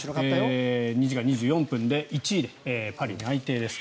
２時間２４分で１位でパリ内定です。